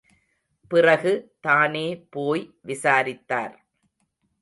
பிறகு தானே போய் விசாரித்தார்.